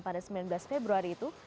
pada sembilan belas februari itu